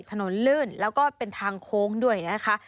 ลื่นแล้วก็เป็นทางโค้งด้วยนะคะ